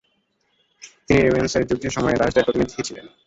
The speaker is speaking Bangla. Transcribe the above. তিনি রেমেনসের যুদ্ধের সময় দাসদের প্রতিনিধি ছিলেন।